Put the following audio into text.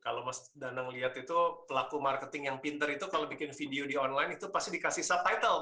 kalau mas danang lihat itu pelaku marketing yang pinter itu kalau bikin video di online itu pasti dikasih subtitle